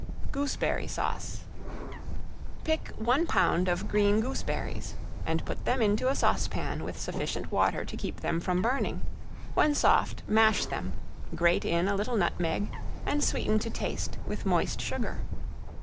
~GOOSEBERRY SAUCE~ Pick one pound of green gooseberries and put them into a saucepan with sufficient water to keep them from burning, when soft mash them, grate in a little nutmeg and sweeten to taste with moist sugar.